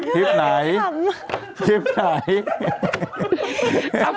ใช่ยอมรับผิด